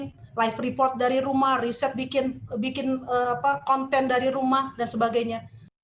bikin live report dari rumah riset bikin konten dari rumah dan sebagainya